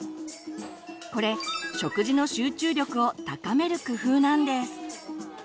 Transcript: これ食事の集中力を高める工夫なんです。